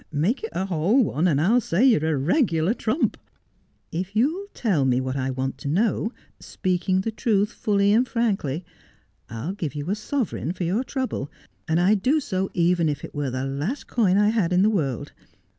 Make it a whole one, and I'll say you're a reg'lar trump.' 'If you'll tell me what I want to know — speaking the truth fully and frankly — I'll give you a sovereign for your trouble ; I'd do so even if it were the last coin I had in the world.